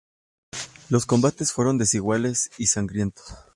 Los combates fueron desiguales y sangrientos.